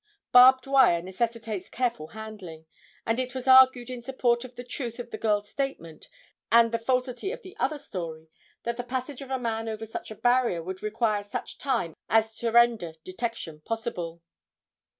Barbed wire necessitates careful handling, and it was argued in support of the truth of the girl's statement and the falsity of the other story that the passage of a man over such a barrier would require such time as to render detection possible.